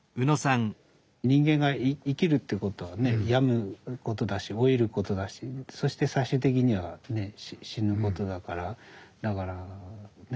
人間が生きるってことはね病むことだし老いることだしそして最終的には死ぬことだからだからね